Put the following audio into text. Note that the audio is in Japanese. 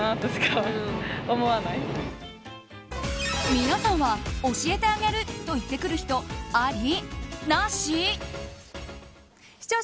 皆さんは教えてあげる！と言ってくる人あり？